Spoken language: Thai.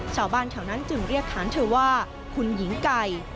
ชาวบ้านแถวนั้นจึงเรียกฐานเธอว่าคุณหญิงไก่